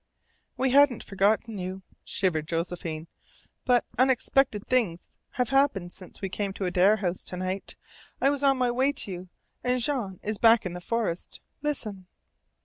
"We hadn't forgotten you," shivered Josephine. "But unexpected things have happened since we came to Adare House to night. I was on my way to you. And Jean is back in the forest. Listen!"